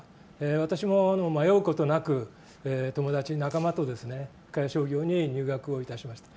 私も迷うことなく友達、仲間と深谷商業に入学いたしました。